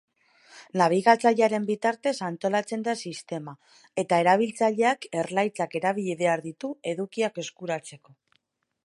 Nabigatzailearen bitartez antolatzen da sistema eta erabiltzaileak erlaitzak erabili behar ditu edukiak eskuratzeko.